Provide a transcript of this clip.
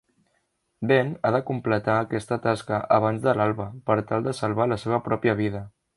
Ben ha de completar aquesta tasca abans de l'alba per tal de salvar la seva pròpia vida.